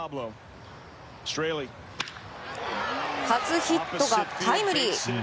初ヒットがタイムリー。